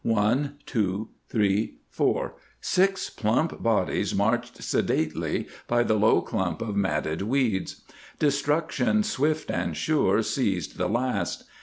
One, two, three, four—six plump bodies marched sedately by the low clump of matted weeds. Destruction swift and sure seized the last.